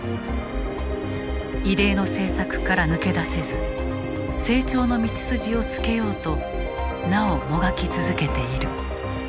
異例の政策から抜け出せず成長の道筋をつけようとなお、もがき続けている。